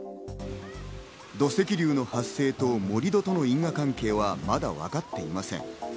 土石流の発生と盛り土との因果関係はまだ分かっていません。